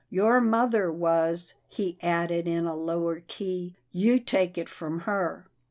" Your mother was," he added in a lower key. " You take it from her."